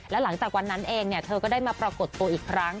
แล้วหลังจากวันนั้นเองเธอก็ได้มาปรากฏตัวอีกครั้ง